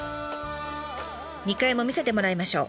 ２階も見せてもらいましょう。